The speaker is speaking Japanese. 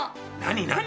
何？